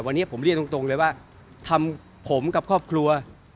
วันนี้ผมเรียกตรงเลยว่าทำผมกับครอบครัว